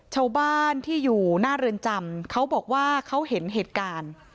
ชาวบ้านที่อยู่หน้าเรือนจำเขาบอกว่าเขาเห็นเหตุการณ์